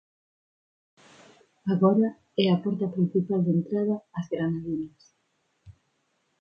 Agora é a porta principal de entrada ás Granadinas.